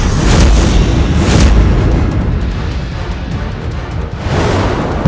aku harus menolong ayah anda